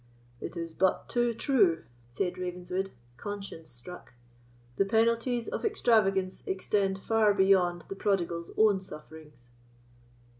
"It is but too true," said Ravenswood, conscience struck; "the penalties of extravagance extend far beyond the prodigal's own sufferings."